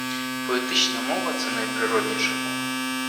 Поетична мова – це найприродніша мова.